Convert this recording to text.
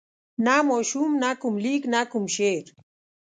نه ماشوم نه کوم لیک نه کوم شعر.